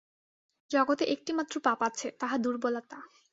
জগতে একটিমাত্র পাপ আছে, তাহা দুর্বলতা।